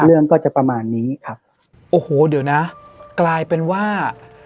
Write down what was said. เรื่องก็จะประมาณนี้ครับโอ้โหเดี๋ยวนะกลายเป็นว่า